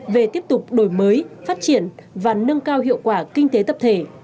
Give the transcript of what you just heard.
về tiếp tục đổi mới phát triển và nâng cao hiệu quả kinh tế tập thể